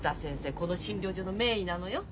この診療所の名医なのよ。